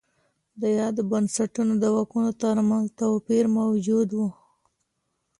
د یادو بنسټونو د واکونو ترمنځ توپیر موجود و.